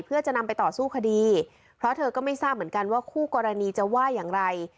เพื่อจะนำไปต่อสู้คดีเพราะเธอก็ไม่ทราบเหมือนกันว่าคู่กรณีจะว่าอย่างไร